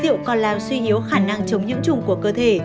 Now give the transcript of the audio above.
rượu còn làm suy hiếu khả năng chống những chủng của cơ thể